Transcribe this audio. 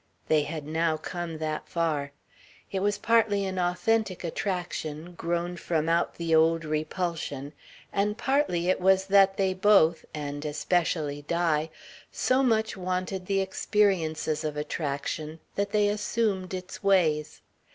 They had now come that far. It was partly an authentic attraction, grown from out the old repulsion, and partly it was that they both and especially Di so much wanted the experiences of attraction that they assumed its ways.